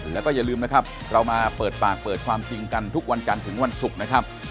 แล้วก็อย่าลืมนะครับเรามาเปิดปากเปิดความจริงกันทุกวันกันถึงวันศุกร์นะครับ